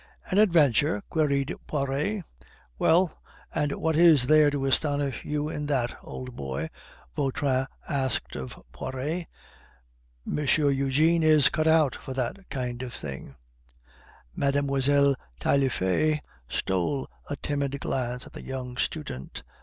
"An adventure?" queried Poiret. "Well, and what is there to astonish you in that, old boy?" Vautrin asked of Poiret. "M. Eugene is cut out for that kind of thing." Mlle. Taillefer stole a timid glance at the young student.